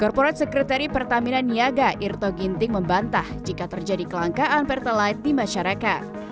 corporate secretary pertaminan niaga irto ginting membantah jika terjadi kelangkaan perthelite di masyarakat